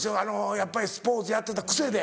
やっぱりスポーツやってた癖で。